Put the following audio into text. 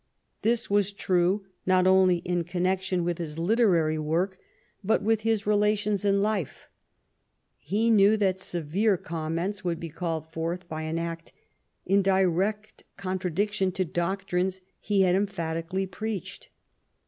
This was true not only in connection LIFE WITH GODWIN: MABEIAQE. 191 with liis literary work, but with all his relations in life. He knew that severe comments would be called forth by an act in direct contradiction to doctrines he had emphatically preached.